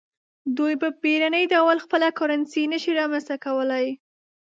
دوی په بیړني ډول خپله کرنسي نشي رامنځته کولای.